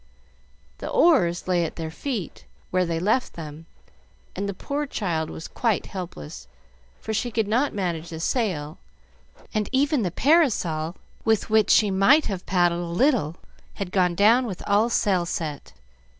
The oars lay at their feet, where they left them; and the poor child was quite helpless, for she could not manage the sail, and even the parasol, with which she might have paddled a little, had gone down with all sail set.